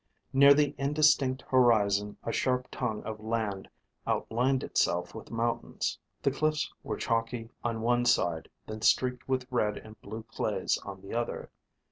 Near the indistinct horizon, a sharp tongue of land outlined itself with mountains. The cliffs were chalky on one side, then streaked with red and blue clays on the other.